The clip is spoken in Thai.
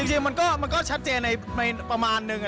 จริงมันก็ชัดเจนในประมาณนึง